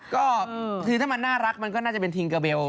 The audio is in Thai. ก็คือถ้ามันน่ารักมันก็น่าจะเป็นทิงเกอร์เบล